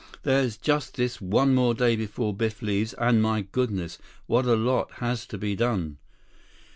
There's just this one more day before Biff leaves, and my goodness, what a lot has to be done!"